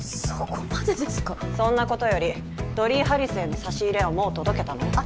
そこまでですかそんなことよりドリーハリスへの差し入れはもう届けたの？